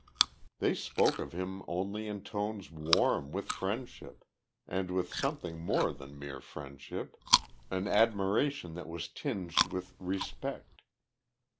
They spoke of him only in tones warm with friendship and with something more than mere friendship, an admiration that was tinged with respect.